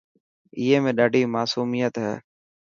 اي ۾ ڏاڏي ماصوميت هي.